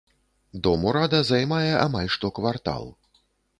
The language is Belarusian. Дом урада займае амаль што квартал.